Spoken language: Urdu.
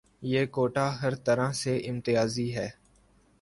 یہ کوٹہ ہرطرح سے امتیازی ہے۔